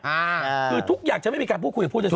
คือทุกอย่างจะไม่มีการพูดคุยกับผู้เช